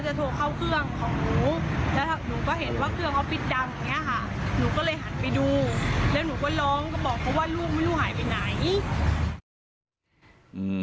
หนูก็เลยหันไปดูแล้วหนูก็ร้องก็บอกเขาว่าลูกไม่รู้หายไปไหน